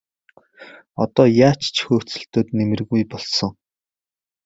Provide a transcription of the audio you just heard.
Одоо яаж ч хөөцөлдөөд нэмэргүй болсон.